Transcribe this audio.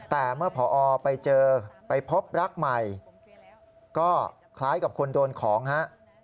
แต่เมื่อพอไปเจอไปพบรักใหม่ก็คล้ายกับคนโดนของฮะ